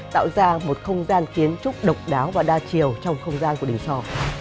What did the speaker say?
tạo ra một không gian kiến trúc độc đáo và đa chiều trong không gian của đình sò